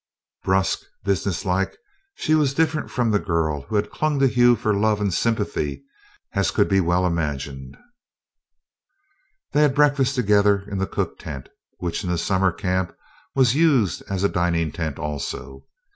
Brusque, businesslike, she was as different from the girl who had clung to Hugh for love and sympathy as could well be imagined. They had breakfast together in the cook tent, which in the summer camp was used as a dining tent also.